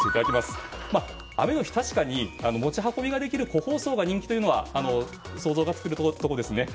雨の日、確かに持ち運びができる個包装が人気なのは想像ができるところですね。